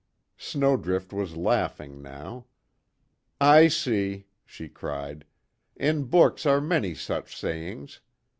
Snowdrift was laughing, now: "I see!" she cried, "In books are many such sayings.